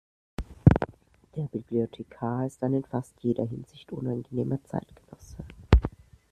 Der Bibliothekar ist ein in fast jeder Hinsicht unangenehmer Zeitgenosse.